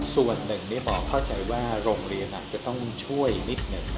ส่วนหนึ่งหมอเข้าใจว่าโรงเรียนอาจจะต้องช่วยนิดหนึ่ง